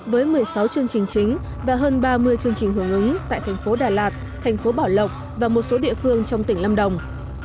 với một mươi sáu chương trình chính và hơn ba mươi chương trình hưởng ứng tại thành phố đà lạt thành phố bảo lộc và một số địa phương trong tỉnh lâm đồng